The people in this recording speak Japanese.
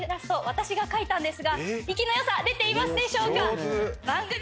私が描いたんですが生きの良さ出ていますでしょうか上手！